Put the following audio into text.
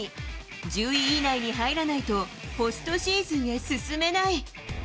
１０位以内に入らないとポストシーズンへ進めない。